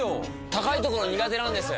高いところ苦手なんです。